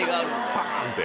パン！って。